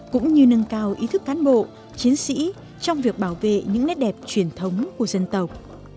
cũng như nâng cao ý thức cán bộ chiến sĩ trong việc bảo vệ những nét đẹp truyền thống của dân tộc